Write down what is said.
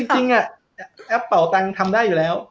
จริงอ่ะแอปเป๋าตังทำได้อยู่แล้ว